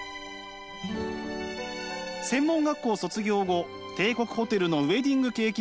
専門学校卒業後帝国ホテルのウエディングケーキ